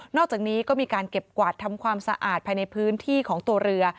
อกจากนี้ก็มีการเก็บกวาดทำความสะอาดภายในพื้นที่ของตัวเรือ